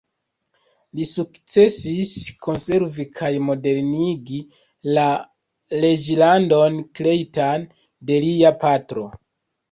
Li sukcesis konservi kaj modernigi la reĝlandon kreitan de lia patro.